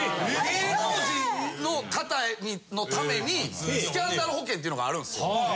芸能人の方のためにスキャンダル保険っていうのがあるんですよ。